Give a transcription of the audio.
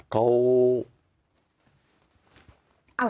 เขา